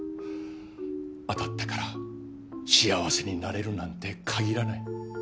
当たったから幸せになれるなんて限らない。